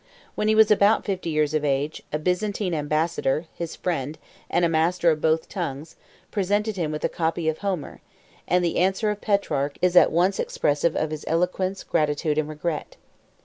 When he was about fifty years of age, a Byzantine ambassador, his friend, and a master of both tongues, presented him with a copy of Homer; and the answer of Petrarch is at one expressive of his eloquence, gratitude, and regret.